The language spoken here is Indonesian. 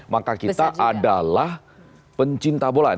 maka kita adalah pencinta bola